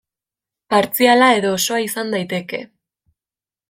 Partziala edo osoa izan daiteke.